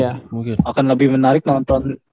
akan lebih menarik nonton